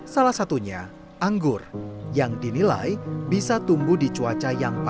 salah satunya anggur yang dinilai bisa tumbuh di cuaca yang panas